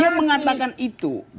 dia mengatakan itu